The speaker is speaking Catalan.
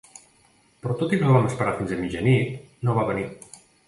Però tot i que el vam esperar fins a mitjanit, no va venir.